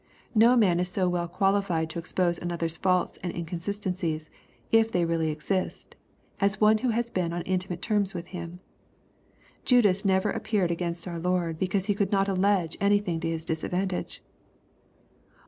No man is so well qualified to expose another's faults and inconsistencies, if they really exist, as one who has been on intimate terms with him. Judas never appeared against our Lord, because he could not allege anything to his disadvan tage.